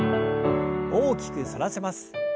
大きく反らせます。